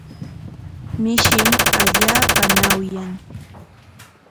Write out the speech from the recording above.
Mishim allaapa ñawyan.